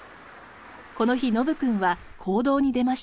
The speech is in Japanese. この日ノブくんは行動に出ました。